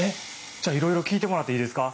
じゃあいろいろ聞いてもらっていいですか？